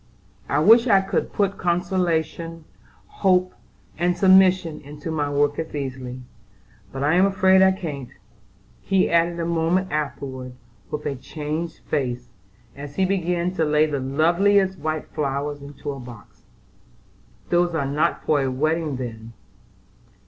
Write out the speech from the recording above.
I wish I could put consolation, hope, and submission into my work as easily, but I am afraid I can't," he added a moment afterward with a changed face, as he began to lay the loveliest white flowers into a box. "Those are not for a wedding, then?"